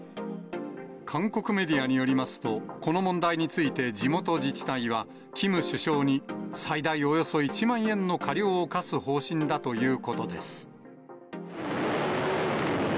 韓国メディアによりますと、この問題について地元自治体は、キム首相に最大およそ１万円の過料を科す方針だということです。